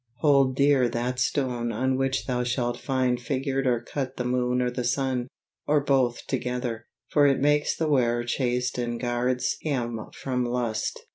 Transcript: Hold dear that stone on which thou shalt find figured or cut the moon or the sun, or both together, for it makes the wearer chaste and guards him from lust.